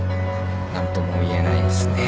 何とも言えないですね。